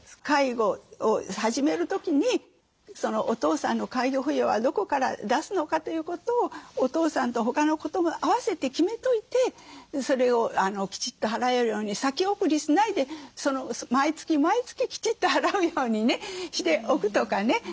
介護を始める時にお父さんの介護費用はどこから出すのかということをお父さんと他のことも併せて決めといてそれをきちっと払えるように先送りしないで毎月毎月きちっと払うようにねしておくとかね。